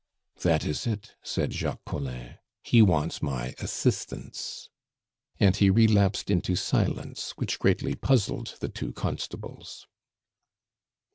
"That is it," said Jacques Collin; "he wants my assistance." And he relapsed into silence, which greatly puzzled the two constables.